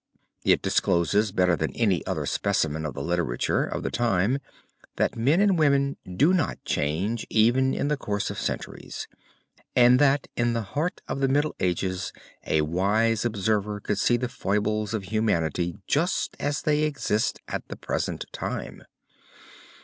It discloses better than any other specimen of the literature of the time that men and women do not change even in the course of centuries, and that in the heart of the Middle Ages a wise observer could see the foibles of humanity just as they exist at the present time.